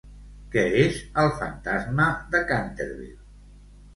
Què és El fantasma de Canterville?